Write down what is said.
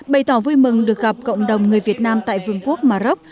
bày tỏ vui mừng được gặp cộng đồng người việt nam tại vương quốc maroc